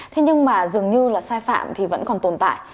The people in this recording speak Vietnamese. thế nhưng mà dường như là sai phạm thì vẫn còn tồn tại